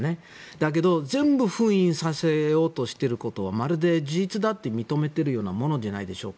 だけど、全部封印させようとしているのはまるで事実だって認めているようなものじゃないでしょうか。